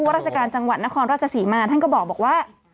ราชการจังหวัดนครราชศรีมาท่านก็บอกว่า